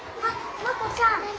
マコちゃん。